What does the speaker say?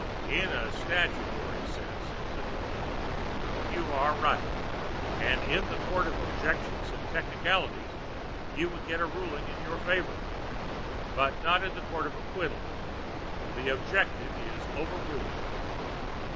"In a statutory sense," said the judge, "you are right, and in the Court of Objections and Technicalities you would get a ruling in your favor. But not in a Court of Acquittal. The objection is overruled."